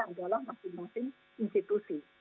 adalah masing masing institusi